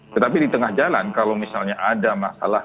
tetapi di tengah jalan kalau misalnya ada masalah